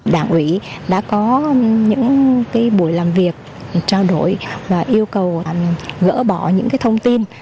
đảng ủy đã có những buổi làm việc trao đổi và yêu cầu gỡ bỏ những thông tin